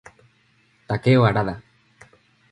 Takeo Harada